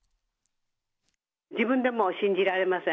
自分でも信じられません。